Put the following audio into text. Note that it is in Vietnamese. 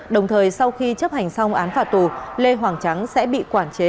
đồng thời sau khi chấp hành xong án phạt tù lê hoàng trắng sẽ bị quản chế